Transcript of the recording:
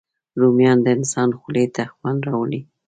رومیان د انسان خولې ته خوند راولي